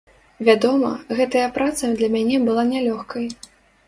Вядома, гэтая праца для мяне была нялёгкай.